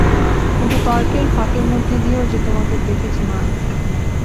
কিন্তু তর্কের ফাঁকের মধ্যে দিয়েও যে তোমাকে দেখেছি, মা।